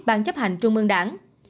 bàn chấp hành trung ương đảng